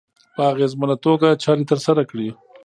په اغېزمنه توګه چارې ترسره کړي.